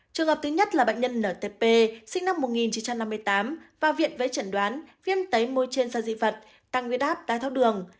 trường hợp thứ nhất là bệnh nhân ntp sinh năm một nghìn chín trăm năm mươi tám vào viện với chẩn đoán viêm tấy môi trên do dị vật tăng nguyên áp đai thóc đường